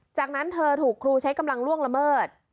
จากนั้นเธอถูกครูใช้กำลังล่วงละเมิด